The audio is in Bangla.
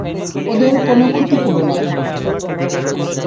ওদের কোনো ক্ষতি কোরো না।